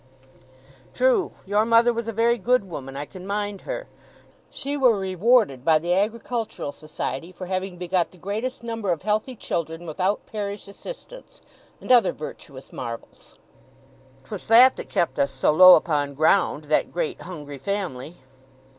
"True; your mother was a very good woman—I can mind her. She were rewarded by the Agricultural Society for having begot the greatest number of healthy children without parish assistance, and other virtuous marvels." "'Twas that that kept us so low upon ground—that great hungry family."